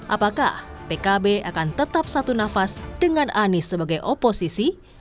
apakah pkb akan tetap satu nafas dengan anies sebagai oposisi